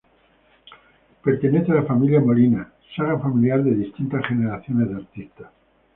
Pertenece a la familia Molina, saga familiar de distintas generaciones de artistas.